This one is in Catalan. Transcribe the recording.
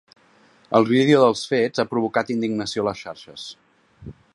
El vídeo dels fets ha provocat indignació a les xarxes.